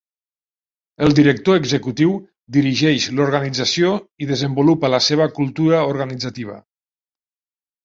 El director executiu dirigeix l'organització i desenvolupa la seva cultura organitzativa.